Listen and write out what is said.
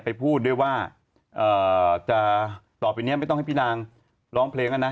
พูดด้วยว่าจะต่อไปเนี้ยไม่ต้องให้พี่นางร้องเพลงแล้วนะ